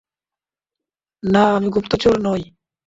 না, আমি গুপ্তচর নই।